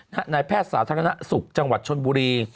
นายแพทย์สาธารณสุขจังหวัดชนบุรี